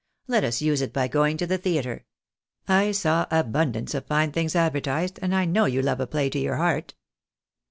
Let us use it by going to the theatre. I saw abundance of fine things advertised, and I know you love a play to your heart."